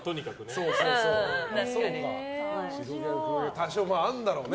多少あるんだろうね